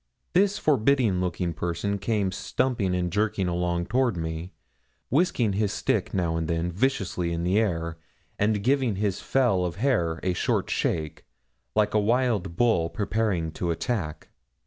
This forbidding looking person came stumping and jerking along toward me, whisking his stick now and then viciously in the air, and giving his fell of hair a short shake, like a wild bull preparing to attack.